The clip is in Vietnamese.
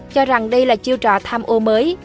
cho rằng đây là chiêu trò tham ô mới